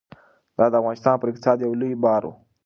دا د افغانستان پر اقتصاد یو لوی بار و.